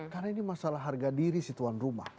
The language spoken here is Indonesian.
karena ini masalah harga diri si tuan rumah